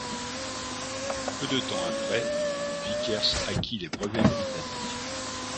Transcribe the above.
Peu de temps après, Vickers acquit les brevets britanniques.